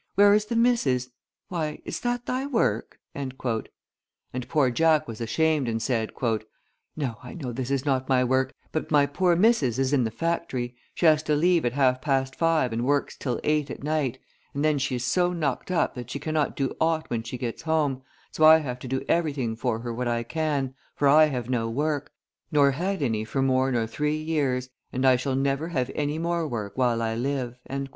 Where is the missus? Why, is that thy work?" and poor Jack was ashamed, and said: "No, I know this is not my work, but my poor missus is i' th' factory; she has to leave at half past five and works till eight at night, and then she is so knocked up that she cannot do aught when she gets home, so I have to do everything for her what I can, for I have no work, nor had any for more nor three years, and I shall never have any more work while I live;" and then he wept a big tear.